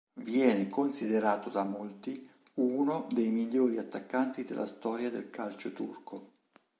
Viene considerato da molti uno dei migliori attaccanti della storia del calcio turco.